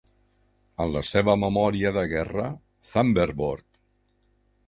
En la seva memòria de guerra, Thunderbolt!